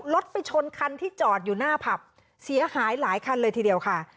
รถไปชนคันที่จอดอยู่หน้าผับเสียหายหลายคันเลยทีเดียวค่ะ